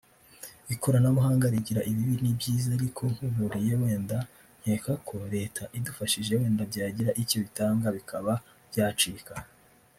Ikoranabuhanga rigira ibibi n’ibyiza ariko nkaburiye wenda nkeka ko leta idufashije wenda byagira icyo bitanga bikaba byacika